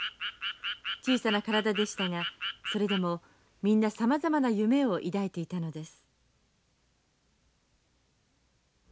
小さな体でしたがそれでもみんなさまざまな夢を抱いていたのです。